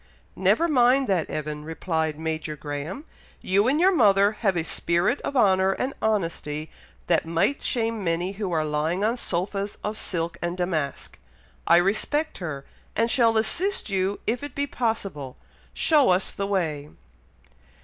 "Never mind that, Evan," replied Major Graham. "You and your mother have a spirit of honour and honesty that might shame many who are lying on sofas of silk and damask. I respect her, and shall assist you if it be possible. Show us the way."